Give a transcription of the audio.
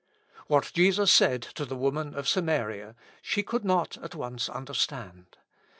What Jesus said to the woman of Samaria, she could not at once understand.